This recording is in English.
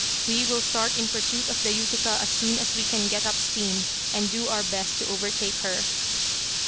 "We will start in pursuit of the Utica as soon as we can get up steam, and do our best to overtake her."